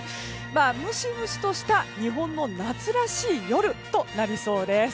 ムシムシとした日本の夏らしい夜となりそうです。